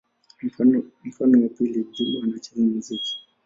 Mfano wa pili: Juma anacheza muziki.